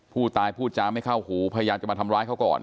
ผู้ตายพูดจาไม่เข้าหูพยายามจะมาทำร้ายเขาก่อน